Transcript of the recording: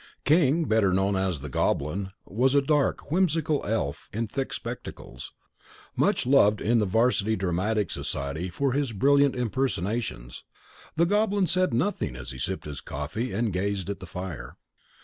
King, better known as "The Goblin," was a dark, whimsical elf in thick spectacles, much loved in the 'varsity dramatic society for his brilliant impersonations. The Goblin said nothing as he sipped his coffee and gazed at the fire.